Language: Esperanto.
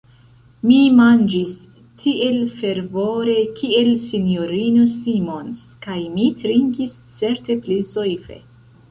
Mi manĝis tiel fervore, kiel S-ino Simons, kaj mi trinkis certe pli soife.